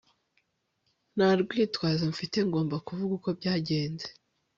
nta rwitwazo mfite ngomba kuvuga uko byagenze